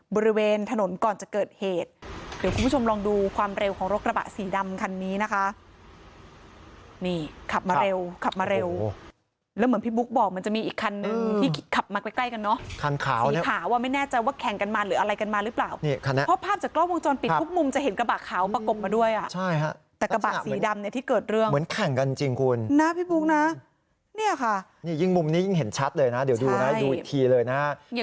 บริเวณถนนก่อนจะเกิดเหตุเดี๋ยวคุณผู้ชมลองดูความเร็วของรถกระบะสีดำคันนี้นะคะนี่ขับมาเร็วขับมาเร็วแล้วเหมือนพี่บุ๊คบอกมันจะมีอีกคันนึงที่ขับมาใกล้ใกล้กันเนอะคันขาวสีขาวอ่ะไม่แน่ใจว่าแข่งกันมาหรืออะไรกันมาหรือเปล่านี่คันนี้เพราะภาพจากกล้อวงจรปิดทุกมุมจะเห็นกระบะขาวประ